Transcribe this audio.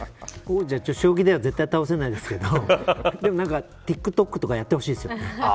将棋では絶対倒せないですけどでもＴｉｋＴｏｋとかやってほしいですね。